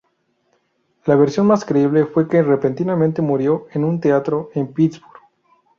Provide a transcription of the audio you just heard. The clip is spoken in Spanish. La versión más creíble fue que repentinamente murió en un teatro en Pittsburgh.